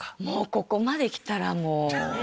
もうここまできたらもう。